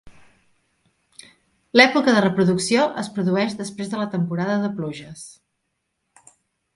L'època de reproducció es produeix després de la temporada de pluges.